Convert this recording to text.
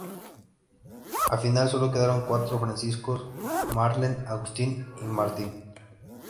Al final sólo quedaron cuatro: Francisco, Marlene, Agustín y Martín.